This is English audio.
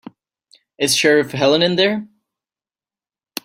Is Sheriff Helen in there?